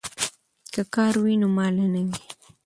که کار وي نو ماله نه وي.